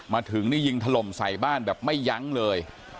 มาถึงนี่ยิงถล่มใส่บ้านแบบไม่ยั้งเลย